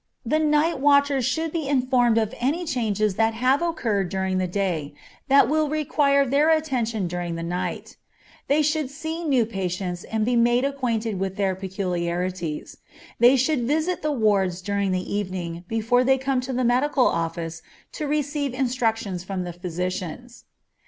The night watchers should be informed of any changes that have occurred during the day, that will require their attention during the night; they should see new patients and be made acquainted with their peculiarities; they should visit the wards during the evening before they come to the medical office to receive instructions from the physicians.